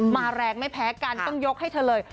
แรงไม่แพ้กันต้องยกให้เธอเลย